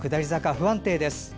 不安定です。